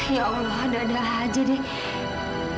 ya allah dadah aja deh